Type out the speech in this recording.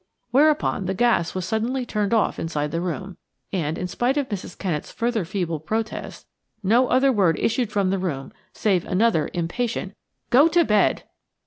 Whereupon the gas was suddenly turned off inside the room, and, in spite of Mrs. Kennett's further feeble protests, no other word issued from the room save another impatient: "Go to bed."